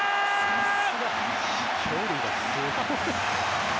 飛距離がすごい。